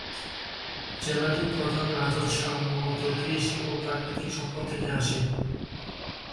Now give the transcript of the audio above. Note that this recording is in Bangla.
জেলাটির প্রধান রাজস্ব মূলত কৃষি ও প্রাকৃতিক সম্পদ থেকে আসে।